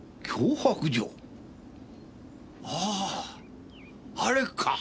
あああれか！